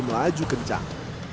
mobil melaju kencang